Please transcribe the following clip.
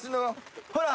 ほら！